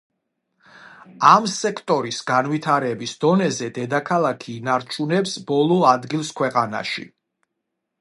ამ სექტორის განვითარების დონეზე, დედაქალაქი ინარჩუნებს ბოლო ადგილს ქვეყანაში.